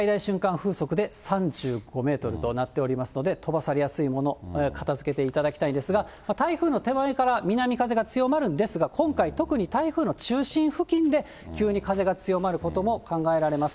風速で３５メートルとなっておりますので、飛ばされやすい物、片づけていただきたいんですが、台風の手前から南風が強まるんですが、今回、特に台風の中心付近で、急に風が強まることも考えられます。